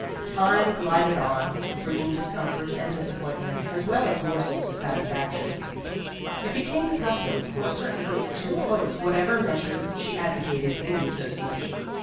Time glided on, bringing discomfort and disappointment, as well as morsels of satisfaction. It became the custom for a certain group to oppose whatever meas ures she advocated in the Association.